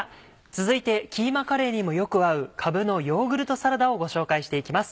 続いてキーマカレーにもよく合うかぶのヨーグルトサラダをご紹介していきます。